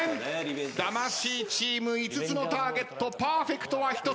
魂チーム５つのターゲットパーフェクトは１つ。